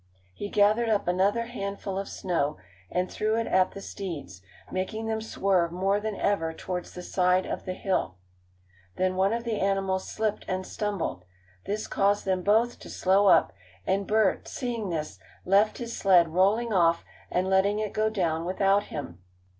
He gathered up another handful of snow, and threw it at the steeds, making them swerve more than ever towards the side of the hill. Then one of the animals slipped and stumbled. This caused them both to slow up, and Bert, seeing this, left his sled, rolling off, and letting it go down without him.